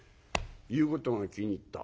「言うことが気に入った。